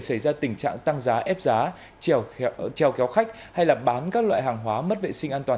xảy ra tình trạng tăng giá ép giá treo kéo khách hay là bán các loại hàng hóa mất vệ sinh an toàn